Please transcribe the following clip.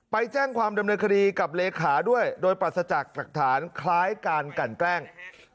ไปแจ้งความดำเนินคดีกับเลขาด้วยโดยปรัสจากหลักฐานคล้ายการกันแกล้ง